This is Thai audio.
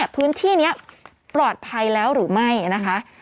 พื้นที่นี้ปลอดภัยแล้วหรือไม่นะคะ